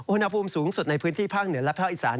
อุณหภูมิสูงสุดในพื้นที่ภาคเหนือและภาคอีสาน